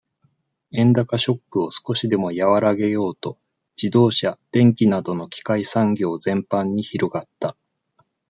円高ショックを少しでも和らげようと、自動車、電機などの機械産業全般に広がった。